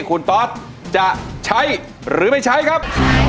คุณตอสจะใช้หรือไม่ใช้ครับ